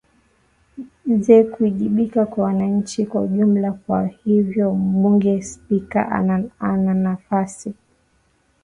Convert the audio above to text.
ze kuajibika kwa wananchi kwa ujumla kwa hivyo mbunge spika ananafasi